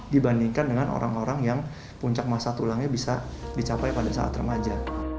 dibandingkan dengan orang orang yang puncak masa tulangnya bisa dicapai pada saat remaja